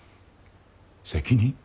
責任？